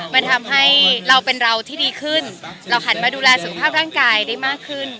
มันทำให้เราเป็นเราที่ดีขึ้นเราหันมาดูแลสุขภาพร่างกายได้มากขึ้น